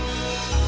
aku terlalu berharga